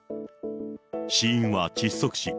死因は窒息死。